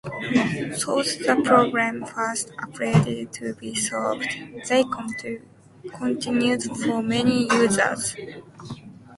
Though the problems first appeared to be solved, they continued for many users.